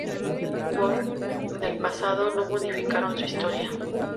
Wolf del pasado no modificaron su historia.